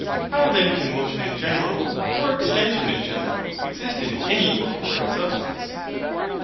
How then can motion in general, or extension in general, exist in any corporeal substance?